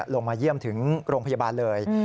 ลงมาเยี่ยมถึงโรงพยาบาลเลย